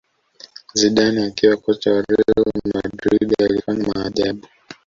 zidane akiwa kocha wa Real Madrid alifanya maajabu